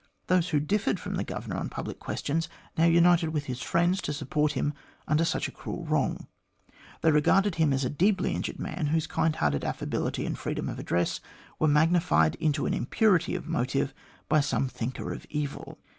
Those who differed from the Governor on public questions, now united with his friends to support him under such a cruel wrong. They regarded him as a deeply injured man, whose kind hearted affability and freedom of address were magnified into an impurity of motive by some Jbhinker of evil.